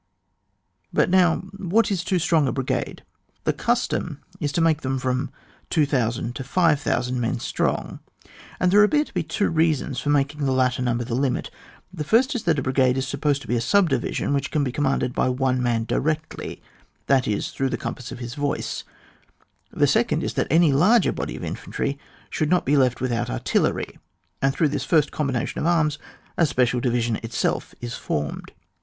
But now, what is too strong a bri gade ? The custom is to make them from 2,000 to (5,000 men strong, and there appear to be two reasons for making the latter number the limit ; the first is that a brigade is supposed to be a subdivision which can be commanded by one man directly, that is, through the compass of his voice : the second is that any larger body of infantry should not be lefl veith out artillery, and through this first com bination of arms a special division of itself is formed.